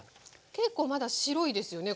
結構まだ白いですよね